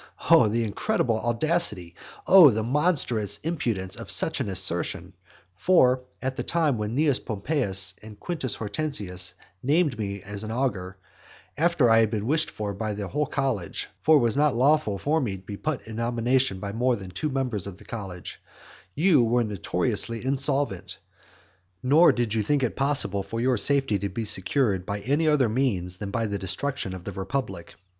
Oh the incredible audacity! oh the monstrous impudence of such an assertion! For, at the time when Cnaeus Pompeius and Quintus Hortensius named me as augur, after I had been wished for as such by the whole college, (for it was not lawful for me to be put in nomination by more than two members of the college,) you were notoriously insolvent, nor did you think it possible for your safety to be secured by any other means than by the destruction of the republic.